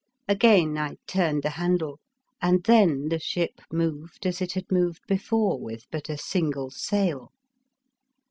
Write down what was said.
Again I turned the handle, and then the ship moved as it had moved before with but a single sail.